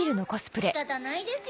仕方ないですよ。